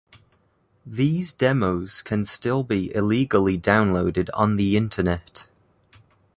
These demos can still be illegally downloaded on the internet.